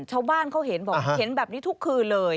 ชาวบ้านเขาเห็นแบบนี้ทุกคืนเลย